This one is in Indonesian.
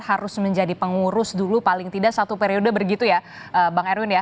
harus menjadi pengurus dulu paling tidak satu periode begitu ya bang erwin ya